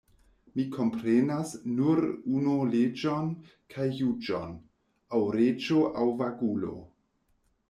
Mi komprenas nur unu leĝon kaj juĝon: aŭ reĝo aŭ vagulo!